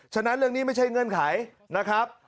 ฉะนั้นเรื่องนี้ไม่ใช่เงื่อนไขนะครับ